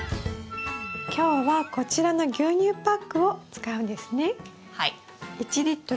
今日はこちらの牛乳パックを使うんですね？